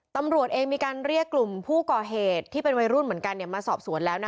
ตำรวจเองมีการเรียกกลุ่มผู้ก่อเหตุที่เป็นวัยรุ่นเหมือนกันมาสอบสวนแล้ว